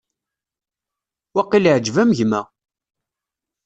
Waqil iɛǧeb-am gma?